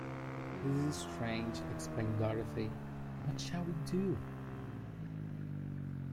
"This is strange," exclaimed Dorothy; "what shall we do?"